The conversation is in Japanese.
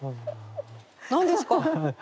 何ですか？